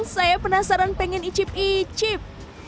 saya penasaran pengen icip icip